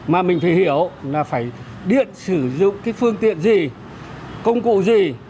mà mình phải hiểu là phải điện sử dụng cái phương tiện gì công cụ gì